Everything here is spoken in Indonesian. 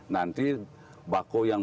nanti bakau yang